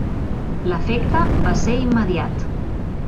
L'efecte va ser immediat.